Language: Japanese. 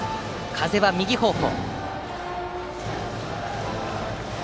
風は右方向。